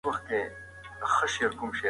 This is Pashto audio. پخوا ټول علوم د فلسفې برخه وه.